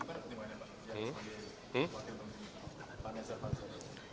pak nesari pak nesari